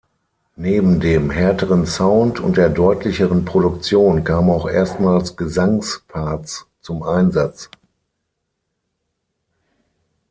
Neben dem härteren Sound und der deutlicheren Produktion kamen auch erstmals Gesangsparts zum Einsatz.